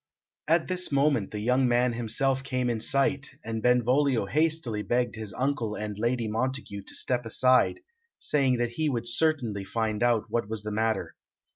At this moment the young man himself came in sight, and Benvolio hastily begged his uncle and Lady Montague to step aside, saying that he would certainly find out what was the matter.